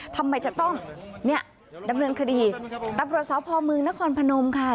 ทำไมจะต้องนี่ดำเนินคดีหิตตำรวจสาวพเมืองนครผนมค่ะ